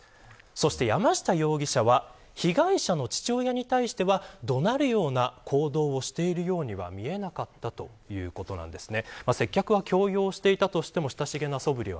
そして、山下容疑者は被害者の父親に対しては怒鳴るような行動をしているようには見えなかったということなんですね。